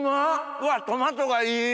うわっトマトがいい！